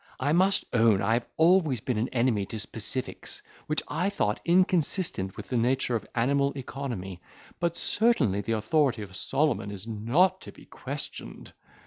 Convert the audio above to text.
I must own I have always been an enemy to specifics which I thought inconsistent with the nature of the animal economy; but certainly the authority of Solomon is not to be questioned.